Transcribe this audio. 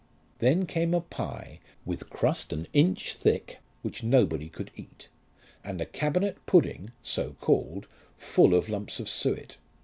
Then came a pie with crust an inch thick, which nobody could eat, and a cabinet pudding, so called, full of lumps of suet.